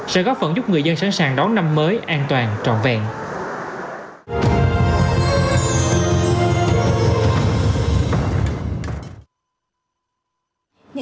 sẽ góp phần giúp người dân sẵn sàng đón năm mới an toàn trọn vẹn